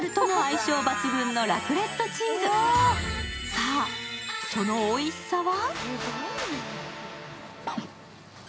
さあ、そのおいしさは？